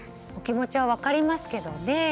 お気持ちは分かりますけどね。